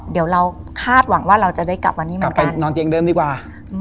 เดี๋ยวเราคาดหวังว่าเราจะได้กลับวันนี้เหมือนกัน